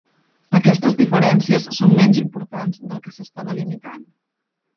Aquestes diferències són menys importants del que s'està delimitant.